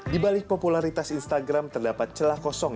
di balik popularitas instagram terdapat celah kosong